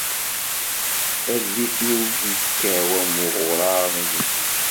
Adif-iw ikkaw am uɣurar n unebdu.